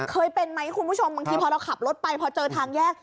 เคยเป็นไหมคุณผู้ชมบางทีพอเราขับรถไปพอเจอทางแยก